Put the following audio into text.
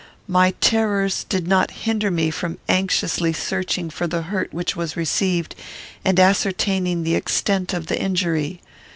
My terrors did not hinder me from anxiously searching for the hurt which was received, and ascertaining the extent of the injury.